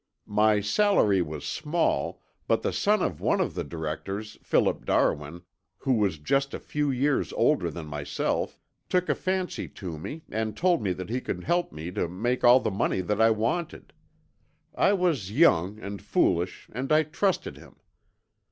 My salary was small, but the son of one of the directors, Philip Darwin, who was just a few years older than myself, took a fancy to me and told me that he could help me to make all the money that I wanted. I was young and foolish and I trusted him.